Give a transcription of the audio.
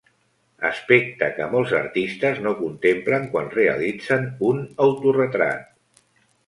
Aspecte que molts artistes no contemplen quan realitzen un autoretrat.